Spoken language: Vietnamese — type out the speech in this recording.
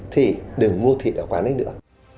thì đừng mua thịt ở quán ấy nữa